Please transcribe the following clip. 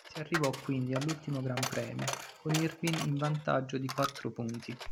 Si arrivò quindi all'ultimo Gran Premio, con Irvine in vantaggio di quattro punti.